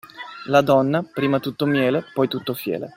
La donna, prima tutto miele, poi tutto fiele.